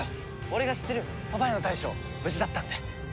俺が知ってるそば屋の大将無事だったんで。